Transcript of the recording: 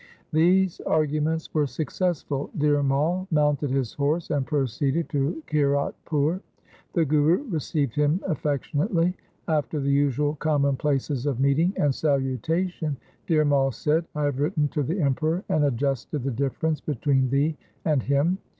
These arguments were successful. Dhir Mai mounted his horse and proceeded to Kiratpur. The Guru received him affectionately. After the usual commonplaces of meeting and salutation Dhir Mai said, ' I have written to the Emperor and adjusted the difference between thee and him.